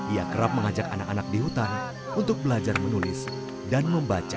ia kerap mengajak anak anak di hutan untuk belajar menulis dan membaca